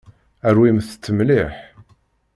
Rwimt-tt mliḥ.